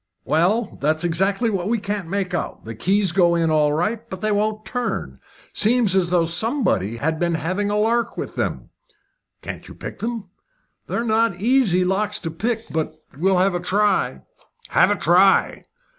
"Well, that's exactly what we can't make out. The keys go in all right, but they won't turn. Seems as though somebody had been having a lark with them." "Can't you pick them?" "They're not easy locks to pick, but we'll have a try!" "Have a try!"